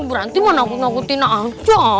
berhenti mah nangkut nangkutin aja